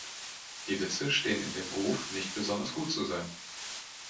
Die Witze stehen in dem Ruf nicht besonders gut zu sein.